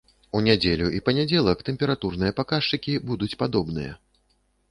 У нядзелю і панядзелак тэмпературныя паказчыкі будуць падобныя.